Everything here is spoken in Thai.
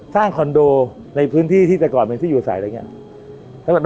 คอนโดในพื้นที่ที่แต่ก่อนเป็นที่อยู่อาศัยอะไรอย่างนี้